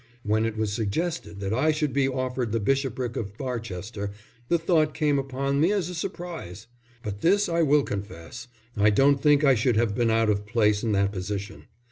When it was suggested that I should be offered the bishopric of Barchester, the thought came upon me as a surprise; but this I will confess, I don't think I should have been out of place in that position.